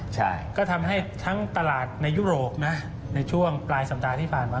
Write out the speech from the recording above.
ใช่ก็ทำให้ทั้งตลาดในยุโรปนะในช่วงปลายสัปดาห์ที่ผ่านมา